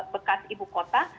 bekas ibu kota